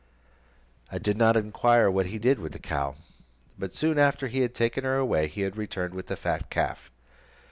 I did not enquire what he did with the cow, but soon after he had taken her away, he returned with a fat calf.